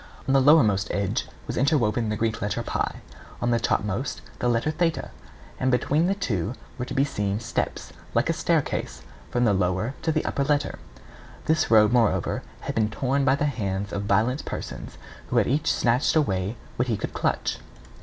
On the lower most edge was inwoven the Greek letter [Greek: P], on the topmost the letter [Greek: Th],[A] and between the two were to be seen steps, like a staircase, from the lower to the upper letter. This robe, moreover, had been torn by the hands of violent persons, who had each snatched away what he could clutch.